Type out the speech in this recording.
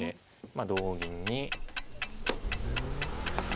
まあ同銀に。